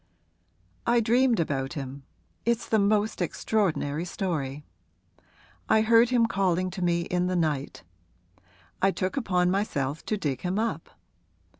'I dreamed about him it's the most extraordinary story: I heard him calling to me in the night. I took upon myself to dig him up.